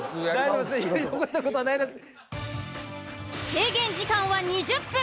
制限時間は２０分。